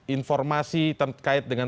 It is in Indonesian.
informasi terkait dengan